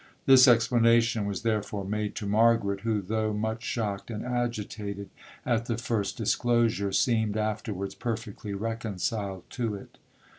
This explanation was therefore made to Margaret, who, though much shocked and agitated at the first disclosure, seemed afterwards perfectly reconciled to it.